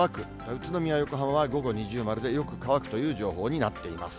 宇都宮、横浜は午後二重丸で、よく乾くという情報になっています。